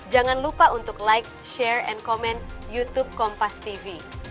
jangan lupa untuk like share and command youtube kompas tv